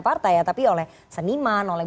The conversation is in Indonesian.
partai ya tapi oleh seniman oleh